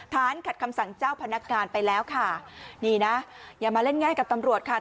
ขัดคำสั่งเจ้าพนักงานไปแล้วค่ะนี่นะอย่ามาเล่นง่ายกับตำรวจค่ะ